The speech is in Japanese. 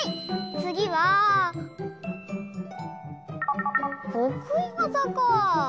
つぎはとくいわざか。